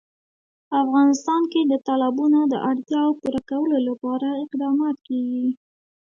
په افغانستان کې د تالابونه د اړتیاوو پوره کولو لپاره اقدامات کېږي.